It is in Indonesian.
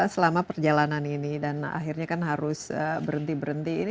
selama perjalanan ini dan akhirnya kan harus berhenti berhenti ini